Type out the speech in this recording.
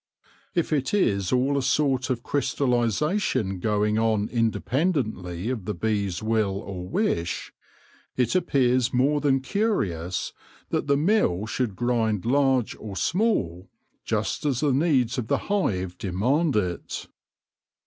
If it is all a sort of crystallisation going on independently of the bees' will or wish, it appears more than curious that the mill should grind large or small, just as the needs of the hive demand it.